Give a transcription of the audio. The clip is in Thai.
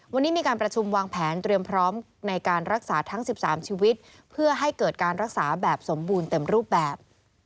วันนี้มีการประชุมวางแผนเตรียมพร้อมในการรักษาทั้ง๑๓ชีวิตเพื่อให้เกิดการรักษาแบบสมบูรณ์เต็มรูปแบบ